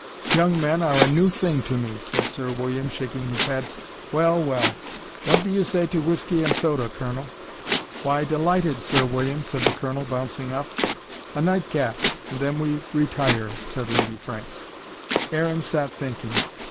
Young men are a new thing to me!" said Sir William, shaking his head. "Well, well! What do you say to whiskey and soda, Colonel?" "Why, delighted, Sir William," said the Colonel, bouncing up. "A night cap, and then we retire," said Lady Franks. Aaron sat thinking.